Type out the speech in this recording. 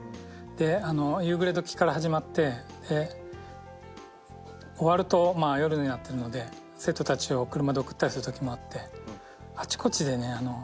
で夕暮れ時から始まって終わると夜になってるので生徒たちを車で送ったりするときもあって。